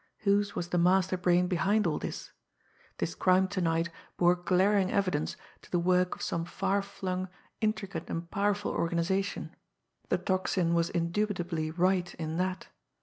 Whose was the master brain behind all this? This crime to night bore glaring evidence to the work of some far flung, intricate and powerful organisation the Tocsin was indubitably right in that.